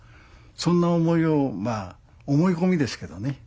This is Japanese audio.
そんな思いをまぁ思い込みですけどね